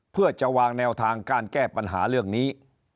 เพื่อจะวางแนวทางการแก้ปัญหาเรื่องนี้